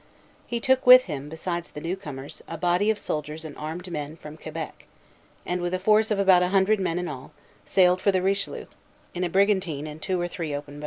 He took with him, besides the new comers, a body of soldiers and armed laborers from Quebec, and, with a force of about a hundred men in all, sailed for the Richelieu, in a brigantine and two or three open boats.